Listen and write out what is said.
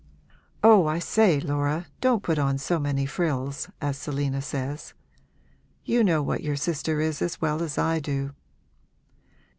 'Oh I say, Laura, don't put on so many frills, as Selina says. You know what your sister is as well as I do!'